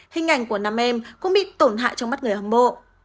hình ảnh của năm em cũng bị tổn hại trong mắt người hâm mộ